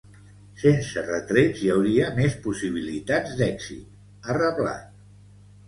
Sense retrets hi hauria més possibilitats d’èxit, ha reblat.